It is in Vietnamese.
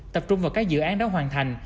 tập trung vào các dự án đã hoàn thành